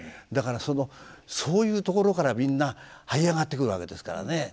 だからそのそういうところからみんなはい上がってくるわけですからね。